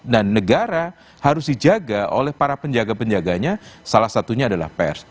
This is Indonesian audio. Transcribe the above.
dan negara harus dijaga oleh para penjaga penjaganya salah satunya adalah pers